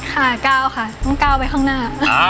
ก้าวค่ะต้องก้าวไปข้างหน้า